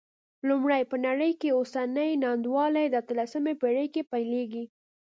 لومړی، په نړۍ کې اوسنۍ نا انډولي د اتلسمې پېړۍ کې پیلېږي.